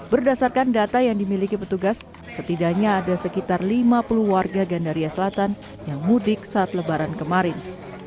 berdasarkan data yang dimiliki petugas setidaknya ada sekitar lima puluh warga gandaria selatan yang mudik saat lebaran kemarin